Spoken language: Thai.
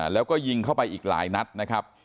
แล้วก็ยิงเข้าไปอีกหลายนัดนะครับ